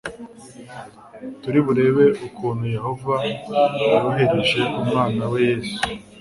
turi burebe ukuntu yehova yohereje umwana we yesu